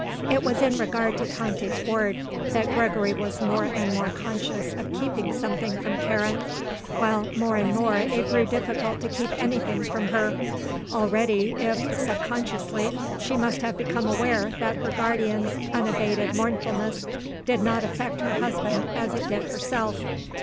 It was in regard to Tante's ward that Gregory was more and more conscious of keeping something from Karen, while more and more it grew difficult to keep anything from her. Already, if sub consciously, she must have become aware that her guardian's unabated mournfulness did not affect her husband as it did herself.